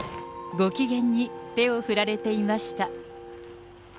ご機嫌に手を振られていました。